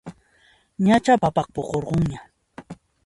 Ñachá papaqa puqurunña